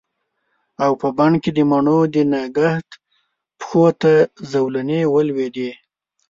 او په بڼ کې د مڼو د نګهت پښو ته زولنې ولویدې